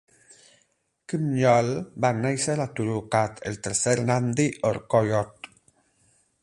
Kimnyole va néixer a Turukat, el tercer Nandi Orkoiyot.